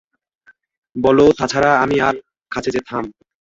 বলো তাছাড়া আমি আর কাছে যেতাম?